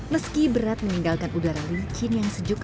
meski berat meninggalkan udara licin yang sejuk